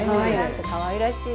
かわいらしい。